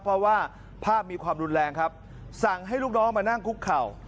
เพราะว่าภาพมีความรุนแรงครับสั่งให้ลูกน้องมานั่งคุกเข่า